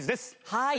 はい。